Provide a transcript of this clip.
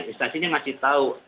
instansinya ngasih tahu